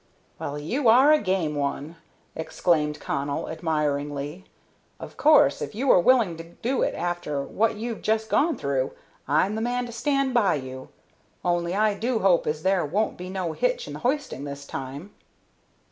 "Well, you are a game one!" exclaimed Connell, admiringly. "Of course, if you are willing to do it after what you've just gone through, I'm the man to stand by you. Only I do hope as there won't be no hitch in the hoisting this time."